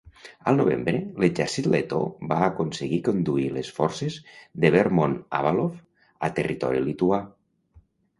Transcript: Al novembre, l'exèrcit letó va aconseguir conduir les forces de Bermont-Avalov a territori lituà.